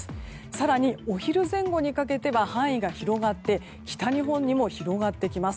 更にお昼前後にかけては範囲が広がって北日本にも広がってきます。